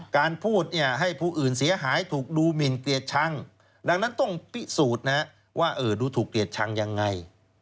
การพูดเนี่ยให้ผู้อื่นเสียหายถูกดูหมินเกลียดชังดังนั้นต้องพิสูจน์นะว่าดูถูกเกลียดชังยังไง